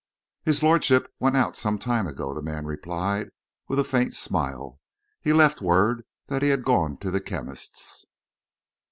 "His lordship went out some time ago, sir," the man replied, with a faint smile. "He left word that he had gone to the chemist's."